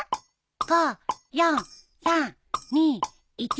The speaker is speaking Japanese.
５４３２１。